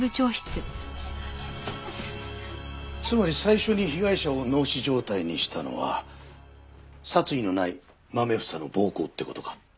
つまり最初に被害者を脳死状態にしたのは殺意のないまめ房の暴行って事か？